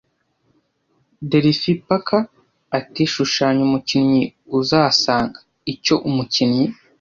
Dorethy Parker ati "Shushanya umukinnyi uzasanga" icyo Umukinnyi